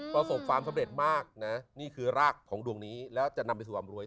ประสบความสำเร็จมากนะนี่คือรากของดวงนี้แล้วจะนำไปสู่ความรวย